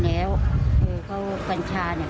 เขาบอกเขาไม่ใช่บ้า